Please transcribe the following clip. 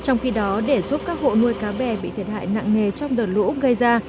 trong khi đó để giúp các hộ nuôi cá bè bị thiệt hại nặng nề trong đợt lũ gây ra